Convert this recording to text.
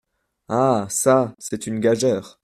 Ah ! çà ! c’est une gageure !